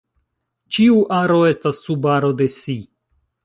Ĉiu aro estas subaro de si.